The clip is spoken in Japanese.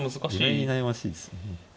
意外に悩ましいですね。